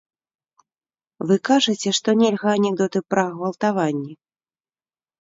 Вы кажаце, што нельга анекдоты пра гвалтаванні.